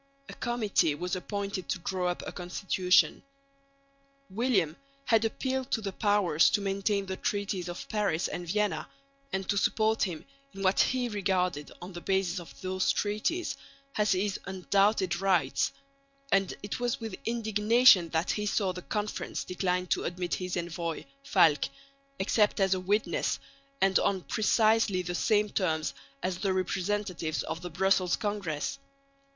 A committee was appointed to draw up a constitution. William had appealed to the Powers to maintain the Treaties of Paris and Vienna and to support him in what he regarded, on the basis of those treaties, as his undoubted rights; and it was with indignation that he saw the Conference decline to admit his envoy, Falck, except as a witness and on precisely the same terms as the representatives of the Brussels Congress.